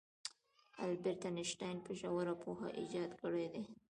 البرت انیشټین په ژوره پوهه ایجاد کړی دی.